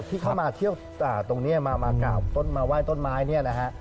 ที่เข้ามาเที่ยวตรงนี้มาเก่ามาไหว้ต้นไม้